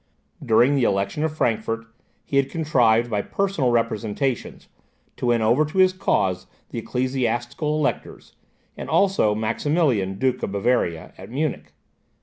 During the election of Frankfort, he had contrived, by personal representations, to win over to his cause the ecclesiastical electors, and also Maximilian, Duke of Bavaria, at Munich.